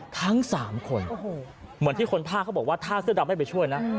ทั้ง๓คนเหมือนที่คนภาคเขาบอกว่าถ้าเสื้อดำไม่ไปช่วยนะ